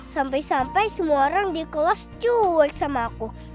sampai sampai semua orang di kelas cuek sama aku